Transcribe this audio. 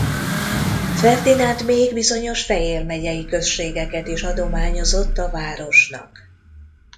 Ferdinánd még bizonyos Fejér megyei községeket is adományozott a városnak.